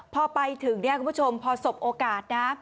พอไปถึงเนี่ยคุณผู้ชมพอสบโอกาสนะ